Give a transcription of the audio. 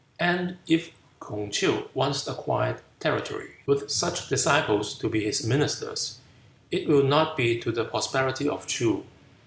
And if Kung Kew once acquired territory, with such disciples to be his ministers, it will not be to the prosperity of Ts'oo."